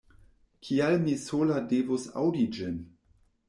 Kial mi sola devus aŭdi ĝin?